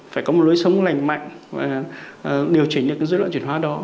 phải có một lối sống lành mạnh và điều chỉnh được cái dối loạn chuyển hóa đó